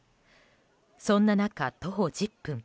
そんな中、徒歩１０分。